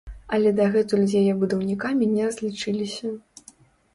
Але дагэтуль з яе будаўнікамі не разлічыліся.